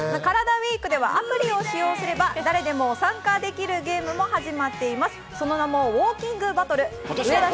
ＷＥＥＫではアプリを使用すれば、誰でも参加できるゲームも始まっています。